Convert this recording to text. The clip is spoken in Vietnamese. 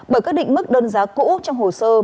bởi các định mức đơn giá cũ trong hồ sơ